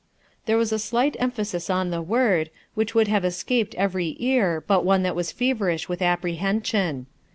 There was a slight emphasis on the word, which would have escaped every ear but one that was feverish with apprehension.